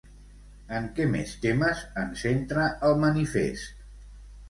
En què més temes en centra el manifest?